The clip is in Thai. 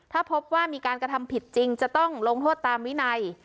ถ้าพบว่ามีการกระทำผิดจริงจะต้องลงโทษตามวินัย